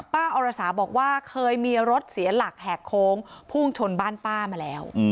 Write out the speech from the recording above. อรสาบอกว่าเคยมีรถเสียหลักแหกโค้งพุ่งชนบ้านป้ามาแล้ว